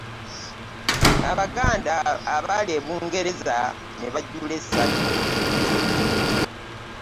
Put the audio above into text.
Abaganda baali e Bungereza ne bajjula essanyu .